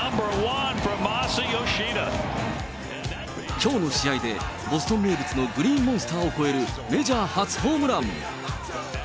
きょうの試合で、ボストン名物のグリーンモンスターを越えるメジャー初ホームラン。